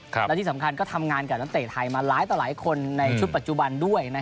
และที่สำคัญก็ทำงานกับนักเตะไทยมาหลายต่อหลายคนในชุดปัจจุบันด้วย